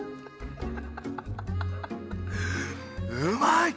うまいッ！